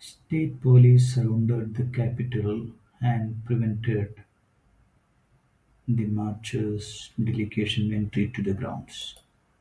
State police surrounded the capitol and prevented the marcher's delegation entry to the grounds.